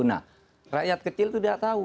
nah rakyat kecil itu tidak tahu